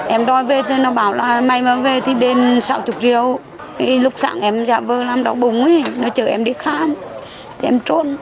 em đòi về thì nó bảo là may mà về thì đền sáu mươi triệu lúc sáng em vơ làm đó bùng ấy nó chở em đi khám thì em trốn